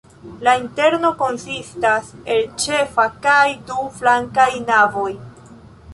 La interno konsistas el ĉefa kaj du flankaj navoj.